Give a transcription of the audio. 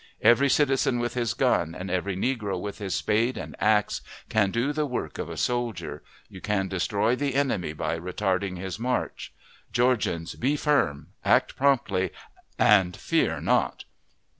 Every citizen with his gun, and every negro with his spade and axe, can do the work of a soldier. You can destroy the enemy by retarding his march. Georgians, be firm! Act promptly, and fear not!